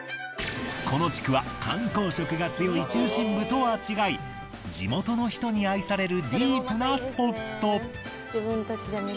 この地区は観光色が強い中心部とは違い地元の人に愛されるディープなスポット。